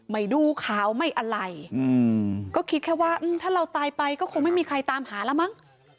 ดูข่าวไม่อะไรก็คิดแค่ว่าถ้าเราตายไปก็คงไม่มีใครตามหาแล้วมั้ง